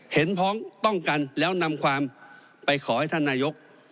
เห็นพ้องต้องกันแล้วนำความไปขอให้ท่านนายกรมนตรี